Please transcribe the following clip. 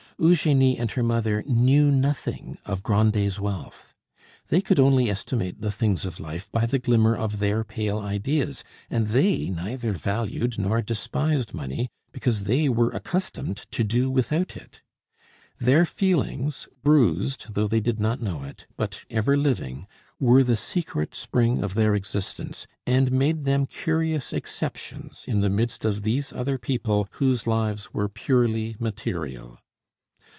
Eugenie and her mother knew nothing of Grandet's wealth; they could only estimate the things of life by the glimmer of their pale ideas, and they neither valued nor despised money, because they were accustomed to do without it. Their feelings, bruised, though they did not know it, but ever living, were the secret spring of their existence, and made them curious exceptions in the midst of these other people whose lives were purely material.